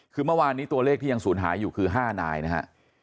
คือเมื่อวานนี้ตัวเลขที่ยังศูนย์หายอยู่คือ๕นายนะฮะ